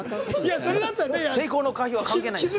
成功の可否は関係ないです。